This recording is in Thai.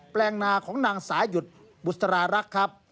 แปลงนาของนางสายุดบุษรารักษ์ครับ